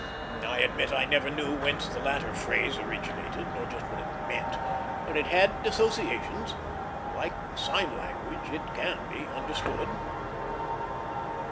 I admit I never knew whence the latter phrase originated, nor just what it meant, but it has associations. Like sign language, it can be understood.